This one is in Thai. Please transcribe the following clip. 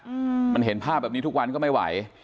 อืมมันเห็นภาพแบบนี้ทุกวันก็ไม่ไหว